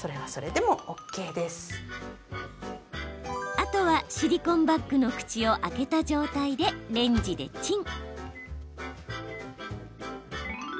あとは、シリコンバッグの口を開けた状態でレンジでチン。